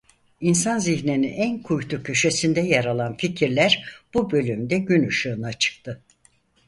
İnsan zihninin en kuytu köşesinde yer alan fikirler bu bölümde gün ışığına çıktı.